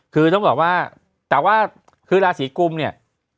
คือต้องบอกว่าแต่ว่าคือราศีกุมเนี่ย